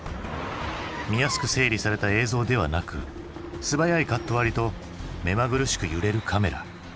見やすく整理された映像ではなく素早いカット割りと目まぐるしく揺れるカメラ。